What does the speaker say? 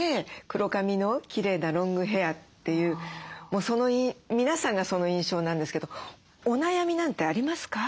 黒髪のきれいなロングヘアというもう皆さんがその印象なんですけどお悩みなんてありますか？